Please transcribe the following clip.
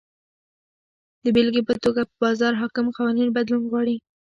د بېلګې په توګه پر بازار حاکم قوانین بدلون غواړي.